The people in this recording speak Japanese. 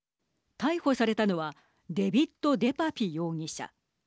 逮捕されたのはデビッド・デパピ容疑者。